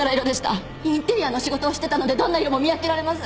インテリアの仕事をしてたのでどんな色も見分けられます。